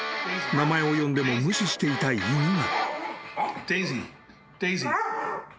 ［名前を呼んでも無視してたのに］